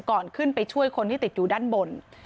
ก่อนขึ้นไปช่วยคนที่ติดอยู่ด้านบน